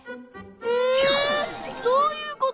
えどういうこと！？